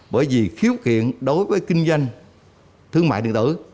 bởi vì khiếu kiện đối với kinh doanh thương mại điện tử